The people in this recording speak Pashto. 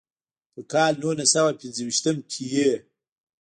پۀ کال نولس سوه پينځه شپيتم کښې ئې